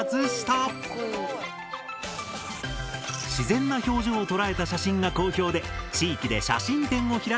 自然な表情を捉えた写真が好評で地域で写真展を開くこともある。